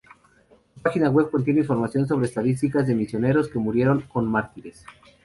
Su página web contiene información sobre estadísticas de misioneros que murieron como mártires.